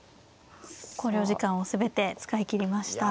考慮時間を全て使い切りました。